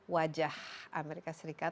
wajah amerika serikat